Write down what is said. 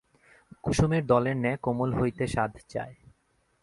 কুসুমের দলের ন্যায় কোমল হইতে সাধ যায়।